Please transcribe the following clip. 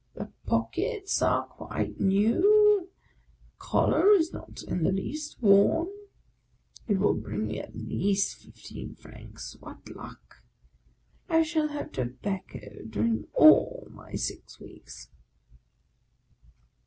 " The pockets are quite new ! The collar is not in the least worn ! It will bring me at least fifteen francs. What luck! I shall have tobacco during all my six weeks."